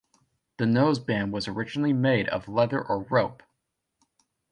The noseband was originally made of leather or rope.